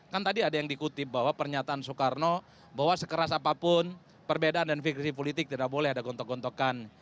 kan tadi ada yang dikutip bahwa pernyataan soekarno bahwa sekeras apapun perbedaan dan fikri politik tidak boleh ada gontok gontokan